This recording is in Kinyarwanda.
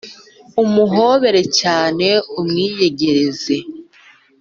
umuhobere cyane umwiyegereze